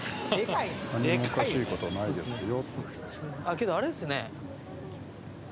けどあれですね。